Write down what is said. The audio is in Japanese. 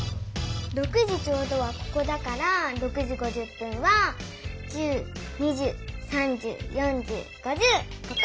６時ちょうどはここだから６時５０分は１０２０３０４０５０ここ！